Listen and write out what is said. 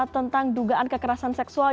tentang dugaan kekerasan seksual